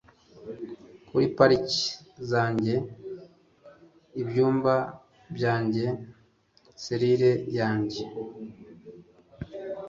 Kuri parike zanjye ibyumba byanjye selire yanjye